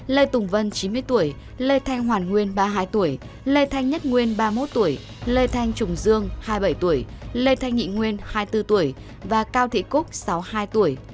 lê tùng vân chín mươi tuổi lê thanh hoàn nguyên ba mươi hai tuổi lê thanh nhất nguyên ba mươi một tuổi lê thanh trùng dương hai mươi bảy tuổi lê thanh nghị nguyên hai mươi bốn tuổi và cao thị cúc sáu mươi hai tuổi